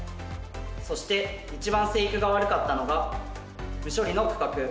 そして一番生育が悪かったのが無処理の区画。